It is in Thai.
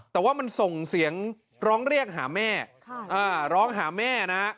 แต่ว่ามันส่งเสียงร้องเรียกหาแม่ร้องหาแม่นะ